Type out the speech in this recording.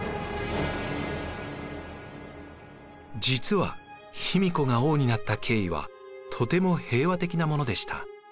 実は卑弥呼が王になった経緯はとても平和的なものでした。